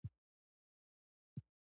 ایس میکس په خوشبینۍ سره وویل